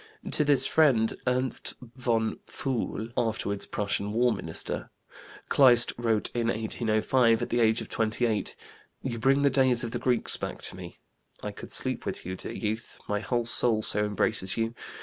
To this friend, Ernst von Pfuël (afterward Prussian war minister), Kleist wrote in 1805 at the age of 28: "You bring the days of the Greeks back to me; I could sleep with you, dear youth, my whole soul so embraces you.